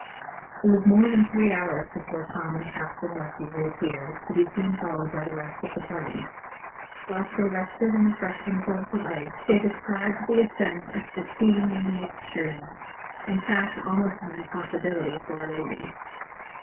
It was more than three hours before Tom and Captain Lecky reappeared, to be soon followed by the rest of the party. Whilst they rested and refreshed themselves with ice, they described the ascent as fatiguing in the extreme, in fact, almost an impossibility for a lady.